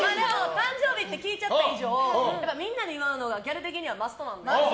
誕生日って聞いちゃった以上みんなで祝うのがギャル的にはマストなので。